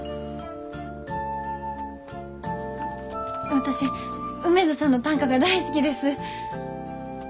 私梅津さんの短歌が大好きです。